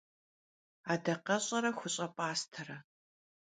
Adakheş'ere xuş'e p'astere.